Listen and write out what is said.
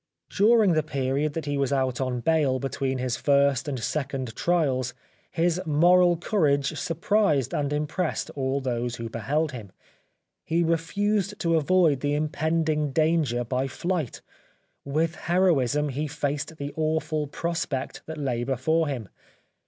During the period that he was out on bail between his first and second trials his moral courage sur prised and impressed all who beheld him. He refused to avoid the impending danger by flight ; with heroism he faced the awful prospect that lay before him.